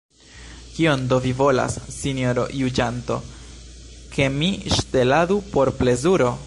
Kion do vi volas, sinjoro juĝanto, ke mi ŝteladu por plezuro?